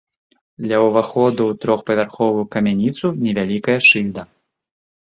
Ля ўваходу ў трохпавярховую камяніцу невялікая шыльда.